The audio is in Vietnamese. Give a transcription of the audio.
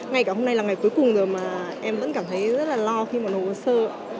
ngay cả hôm nay là ngày cuối cùng rồi mà em vẫn cảm thấy rất là lo khi mà nộp hồ sơ ạ